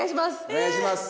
お願いします。